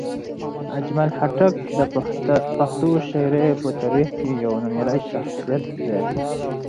اجمل خټک د پښتو شاعرۍ په تاریخ کې یو نومیالی شخصیت دی.